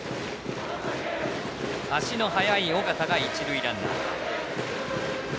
足の速い緒方が一塁ランナー。